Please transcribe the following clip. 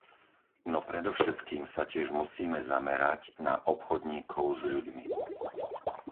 No predovšetkým sa tiež musíme zamerať na obchodníkov s ľuďmi.